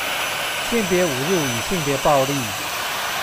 性別侮辱與性別暴力